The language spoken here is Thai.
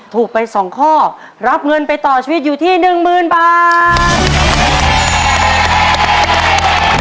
ถูกไป๒ข้อรับเงินไปต่อชีวิตอยู่ที่๑๐๐๐บาท